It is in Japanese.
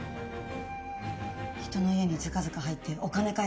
人の家にずかずか入ってお金返せって。